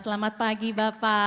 selamat pagi bapak